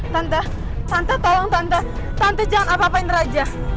tante santai tolong tante tante jangan apa apain raja